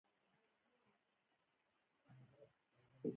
د مالیه راټولوونکو پر کارونو څارونکي ګورمال شوي وو.